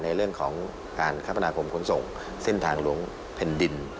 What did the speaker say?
ในเรื่องของการคมนาคมขนส่งเส้นทางหลวงแผ่นดิน